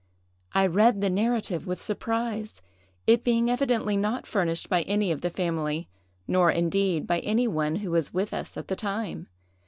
I read the narrative with surprise, it being evidently not furnished by any of the family, nor indeed by any one who was with us at the time!